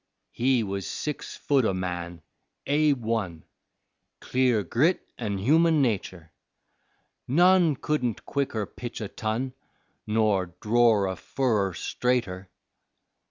He was six foot o' man, A 1, Clear grit an' human natur'; None couldn't quicker pitch a ton Nor dror a furrer straighter.